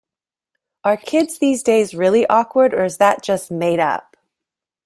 Are kids these days really awkward or is that just made up?